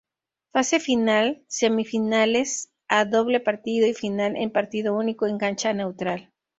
Fase final: Semifinales a doble partido y final en partido único en cancha neutral.